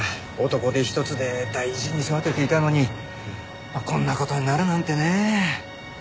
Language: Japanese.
男手一つで大事に育てていたのにこんな事になるなんてねぇ。